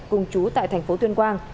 cùng chú tại thành phố tuyên quang